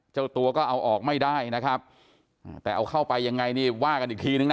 เจ้าตัวก็เอาออกไม่ได้นะครับแต่เอาเข้าไปยังไงนี่ว่ากันอีกทีนึงนะ